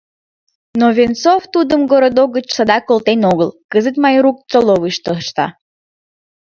Но Венцов тудым городок гыч садак колтен огыл: кызыт Майрук столовыйышто ышта.